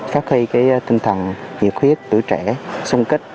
phát huy cái tinh thần nhiệt huyết tuổi trẻ sung kích